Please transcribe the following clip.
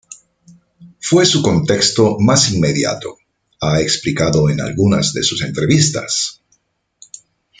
Fue su contexto más inmediato, ha explicado en alguna de sus entrevistas.